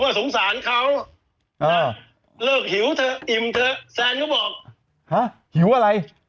สงสารเขาเลิกหิวเถอะอิ่มเถอะแซนก็บอกฮะหิวอะไร